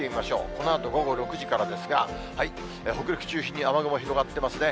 このあと午後６時からですが、北陸中心に雨雲広がってますね。